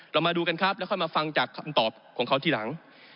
มาดูกันครับแล้วค่อยมาฟังจากคำตอบของเขาทีหลัง